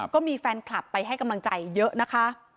ก็มีแฟนคลับไปให้กำลังใจเยอะนะคะ